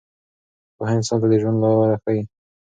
پوهه انسان ته د ژوند لاره ښیي.